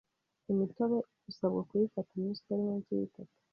imitobe usabwa kuyifata iminsi itari munsi y’itatu